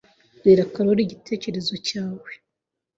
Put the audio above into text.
Bwira Karoli igitekerezo cyawe.